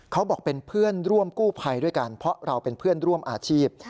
เขาบอกเป็นเพื่อนร่วมกู้ภัยด้วยกันเพราะเราเป็นเพื่อนร่วมอาชีพ